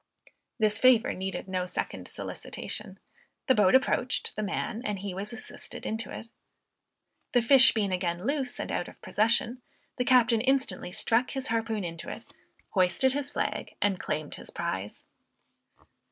This favor needed no second solicitation; the boat approached the man and he was assisted into it. The fish being again loose and out of possession, the captain instantly struck his harpoon into it, hoisted his flag, and claimed his prize!